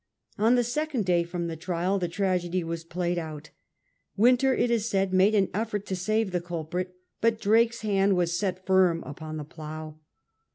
On the second day from the trial the tragedy was played out. Wynter, it is said, made an eflfort to save the culprit, but Drake's hand was set firm upon the plough.